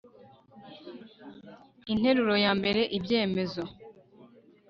INTERURO YA MBERE IBYEMEZO